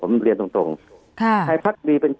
คุณหมอประเมินสถานการณ์บรรยากาศนอกสภาหน่อยได้ไหมคะ